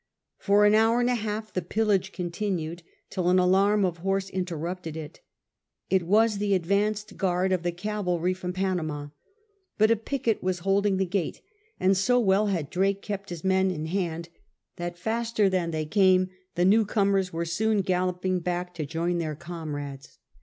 For an hour and a half the pillage continued, till an alarm of horse interrupted it. It was the advance guard of the cavalry from Panama ; but a picket was holding the gate, and so well had Drake kept his men in hand that, faster than they came, the new comers were soon galloping back to join their comrades.